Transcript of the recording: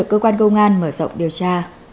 cơ quan công an mở rộng điều tra